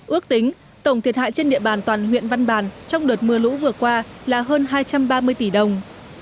ước tính tổng thiệt hại trên địa bàn toàn huyện văn bàn trong đợt mưa lũ vừa qua là hơn hai trăm ba mươi tỷ đồng